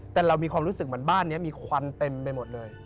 แต่เรามีความรู้สึกเหมือนบ้านนี้มีควันเต็มไปหมดเลย